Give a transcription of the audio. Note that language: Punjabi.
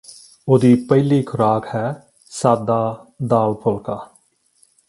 ਉਹਦੀ ਪਹਿਲੀ ਖੁਰਾਕ ਹੈ ਸਾਦਾ ਦਾਲ ਫੁਲਕਾ